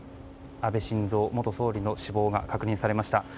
安倍晋三元総理の死亡が確認されました。